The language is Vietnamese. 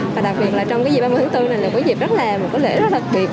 và đặc biệt là trong dịp ba mươi tháng bốn này là có dịp rất là một lễ rất đặc biệt